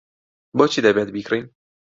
بۆچی دەبێت بیکڕین؟